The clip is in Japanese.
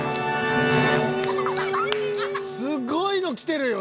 すごいのきてるよ。